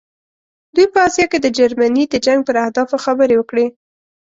دوی په آسیا کې د جرمني د جنګ پر اهدافو خبرې وکړې.